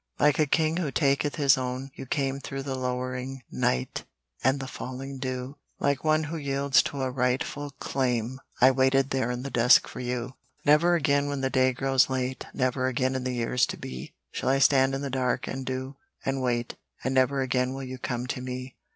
Like a king who taketh his own, you came Through the lowering night and the falling dew. Like one who yields to a rightful claim, I waited there in the dusk for you. Never again when the day grows late, Never again in the years to be, Shall I stand in the dark and dew, and wait, And never again will you come to me.